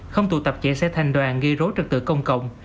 không tụ tập chạy xe thanh đoàn gây rối trật tựa công cộng